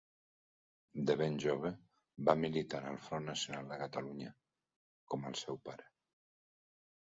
De ben jove va militar en el Front Nacional de Catalunya, com el seu pare.